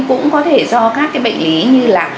cũng có thể do các cái bệnh lý như là